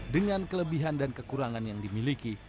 dengan kelebihan dan kekurangan yang dimiliki